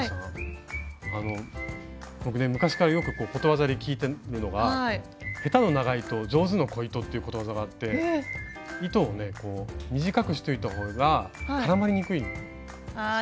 僕ね昔からよくことわざで聞いてるのが「下手の長糸上手の小糸」っていうことわざがあって糸を短くしておいた方が絡まりにくいんですよ。